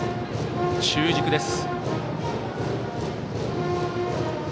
中軸です。